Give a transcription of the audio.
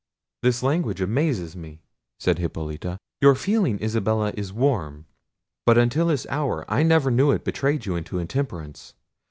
"This language amazes me," said Hippolita. "Your feeling, Isabella, is warm; but until this hour I never knew it betray you into intemperance.